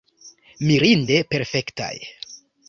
Mirinde perfektaj.